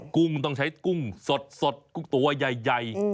กุ้งต้องใช้กุ้งสดกุ้งตัวใหญ่